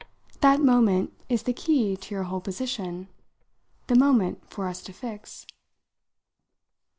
That moment is the key to your whole position the moment for us to fix."